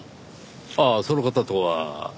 ああその方とは今も？